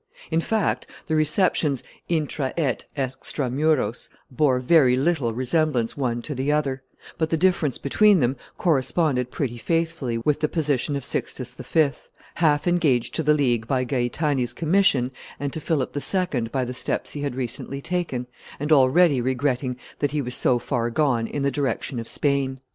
In fact, the receptions intra et, extra muros bore very little resemblance one to the other, but the difference between them corresponded pretty faithfully with the position of Sixtus V., half engaged to the League by Gaetani's commission and to Philip II. by the steps he had recently taken, and already regretting that he was so far gone in the direction of Spain."